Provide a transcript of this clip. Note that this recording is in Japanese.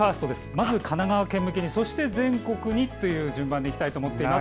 まず神奈川県向き、そして全国にという順番で行きたいと思います。